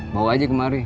bawa aja kemari